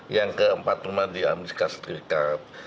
yang keempat memang di amerika serikat